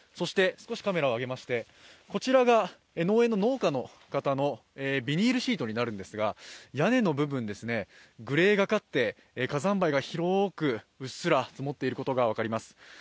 そしてこちらが農園の農家の方のビニールシートになるんですが屋根の部分、グレーがかって火山灰が広くうっすら積もっていることが分かります。